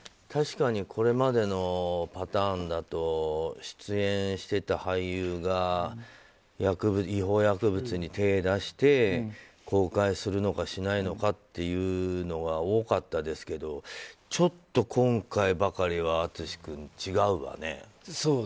確かにこれまでのパターンだと出演していた俳優が違法薬物に手を出して公開するのかしないのかというのが多かったですけどちょっと今回ばかりは淳君、違うわね。